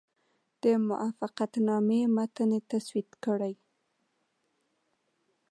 د موافقتنامې متن تسوید کړي.